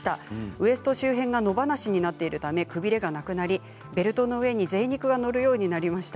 ウエスト周辺が野放しになっているため、くびれがなくなりベルトの上に、ぜい肉が乗るようになりました。